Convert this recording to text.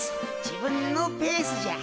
自分のペースじゃ。